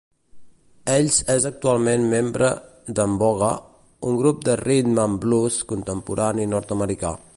Ells és actualment membre d'En Vogue, un grup de rythm and blues contemporani nord-americà.